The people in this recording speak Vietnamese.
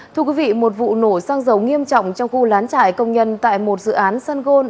thưa quý vị một vụ nổ xăng dầu nghiêm trọng trong khu lán trại công nhân tại một dự án sân gôn